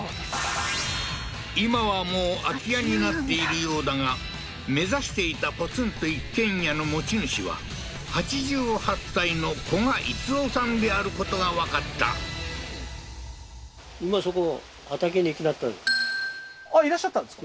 今はもう空き家になっているようだが目指していたポツンと一軒家の持ち主は８８歳のコガイツオさんであることがわかったいらっしゃったんですか？